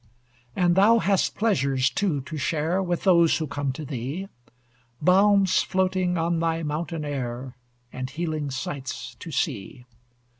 And thou hast pleasures, too, to share With those who come to thee Balms floating on thy mountain air, And healing sights to see.